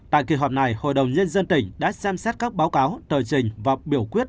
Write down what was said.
tại kỳ họp này hội đồng nhân dân tỉnh đã xem xét các báo cáo tờ trình và biểu quyết